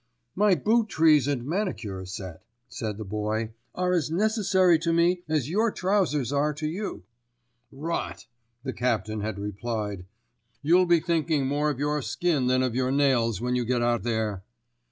"My boot trees and manicure set," said the Boy, "are as necessary to me as your trousers are to you." "Rot!" the captain had replied. "You'll be thinking more of your skin than of your nails when you get out there."